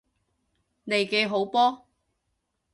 利記好波！